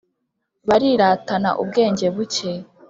Bariratana ubwenge buke.